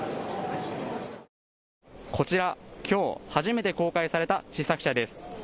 こちら、きょう初めて公開された試作車です。